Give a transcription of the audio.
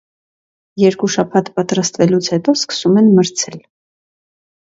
Երկու շաբաթ պատրաստվելուց հետո սկսում են մրցել։